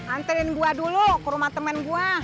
anterin gua dulu ke rumah temen gua